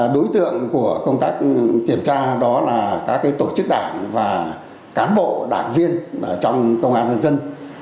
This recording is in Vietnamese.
đối tượng của công tác kiểm tra đó là các tổ chức đảng và cán bộ đảng viên trong công an nhân dân